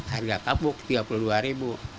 harga kapuk rp tiga puluh dua ribu